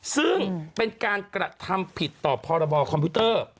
ซึ่งเป็นการกระทำผิดต่อพรบคอมพิวเตอร์